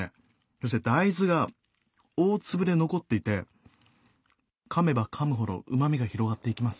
そして大豆が大粒で残っていてかめばかむほどうまみが広がっていきます。